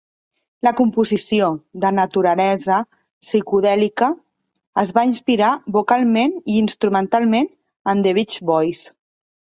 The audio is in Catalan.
La composició, de naturalesa psicodèlica, es va inspirar vocalment i instrumental en "The Beach Boys".